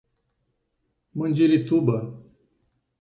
Mandirituba